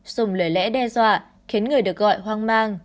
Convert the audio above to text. dùng lời lẽ đe dọa khiến người được gọi hoang mang